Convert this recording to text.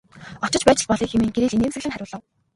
Очиж байж л болъё хэмээн Кирилл инээмсэглэн хариулав.